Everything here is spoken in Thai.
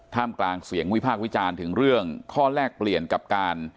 กลางเสียงวิพากษ์วิจารณ์ถึงเรื่องข้อแลกเปลี่ยนกับการ